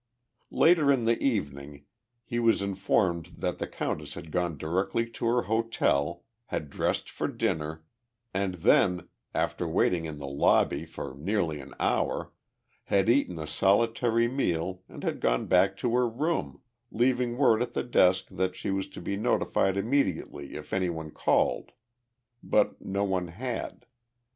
Later in the evening he was informed that the countess had gone directly to her hotel, had dressed for dinner, and then, after waiting in the lobby for nearly an hour, had eaten a solitary meal and had gone back to her room, leaving word at the desk that she was to be notified immediately if anyone called. But no one had.